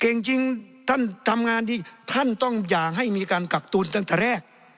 จริงท่านทำงานดีท่านต้องอยากให้มีการกักตุลตั้งแต่แรก